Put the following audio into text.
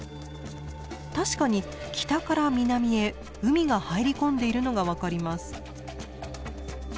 確かに北から南へ海が入り込んでいるのが分かります。